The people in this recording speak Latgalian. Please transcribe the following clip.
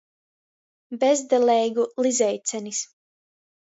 Bezdeleigu lizeicenis.